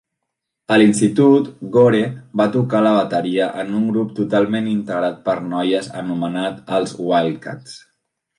A l'institut, Gore va tocar la bateria en un grup totalment integrat per noies anomenat els Wildcats.